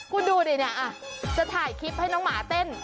คุณดูดิเนี่ยจะถ่ายคลิปให้น้องหมาเต้น